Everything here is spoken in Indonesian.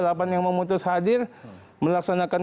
delapan yang memutus hadir melaksanakan